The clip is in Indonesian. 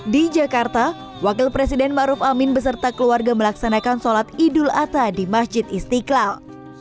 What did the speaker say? di jakarta wakil presiden maruf amin beserta keluarga melaksanakan sholat idul adha di masjid istiqlal